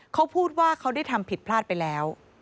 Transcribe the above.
เขาพูดว่าเขาได้ทำผิดพลาดไปแล้ว